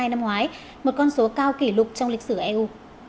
năm ngoái một con số cao kỷ lục trong lịch sử eu